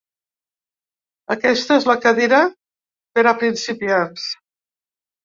Aquesta és la cadira per a principiants.